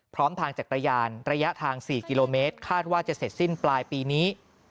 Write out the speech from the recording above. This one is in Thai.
ทางจักรยานระยะทาง๔กิโลเมตรคาดว่าจะเสร็จสิ้นปลายปีนี้